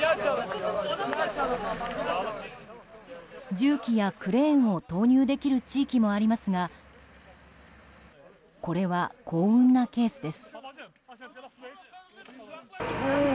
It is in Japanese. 重機やクレーンを投入できる地域もありますがこれは幸運なケースです。